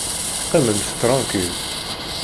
Qqimemt ṭṛankil!